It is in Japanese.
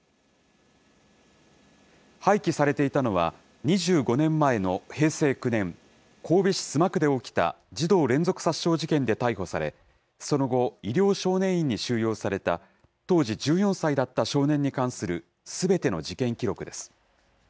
廃棄されていたのは、２５年前の平成９年、神戸市須磨区で起きた児童連続殺傷事件で逮捕され、その後、医療少年院に収容された当時１４歳だった少年に関するすべての事件記録です。